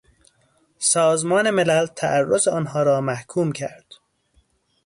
سازمان ملل تعرض آنها را محکوم کرد.